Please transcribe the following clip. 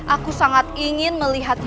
aku sangat ingin melihatnya